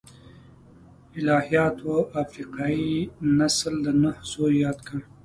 الهیاتو افریقايي نسل د نوح زوی یاد کړ.